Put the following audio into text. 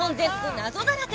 謎だらけ